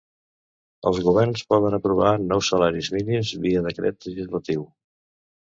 Els governs poden aprovar nous salaris mínims via decret legislatiu.